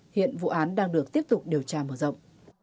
hiện vụ án đang được tiếp tục điều tra mở rộng